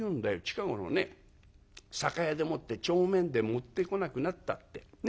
『近頃ね酒屋でもって帳面で持ってこなくなった』って。ね？